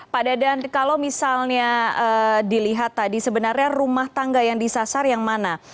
pak dadan kalau misalnya dilihat tadi sebenarnya rumah tangga yang disasar yang mana